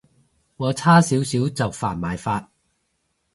我差少少就犯埋法